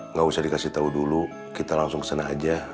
nggak usah dikasih tahu dulu kita langsung senang aja